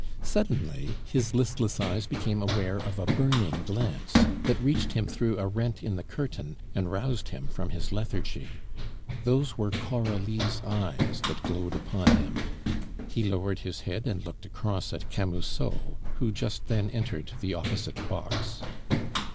Suddenly his listless eyes became aware of a burning glance that reached him through a rent in the curtain, and roused him from his lethargy. Those were Coralie's eyes that glowed upon him. He lowered his head and looked across at Camusot, who just then entered the opposite box.